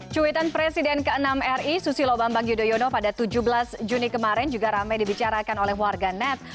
cuitan presiden ke enam ri susilo bambang yudhoyono pada tujuh belas juni kemarin juga ramai dibicarakan oleh warga net